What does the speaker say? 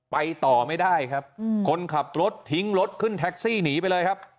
ไปต่อไม่ได้ครับคนขับรถทิ้งรถขึ้นแท็กซี่หนีไปเลยครับ